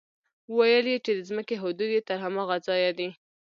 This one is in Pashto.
ويل يې چې د ځمکې حدود يې تر هماغه ځايه دي.